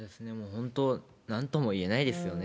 本当、なんともいえないですよね。